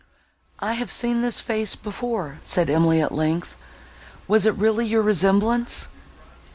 "I have seen this face before," said Emily, at length; "was it really your resemblance?"